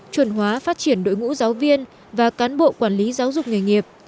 chuẩn hóa phát triển đội ngũ giáo viên và cán bộ quản lý giáo dục nghề nghiệp